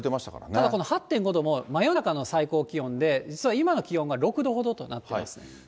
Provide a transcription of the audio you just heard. ただこれも真夜中の最高気温で、実は今の気温が６度ほどとなっています。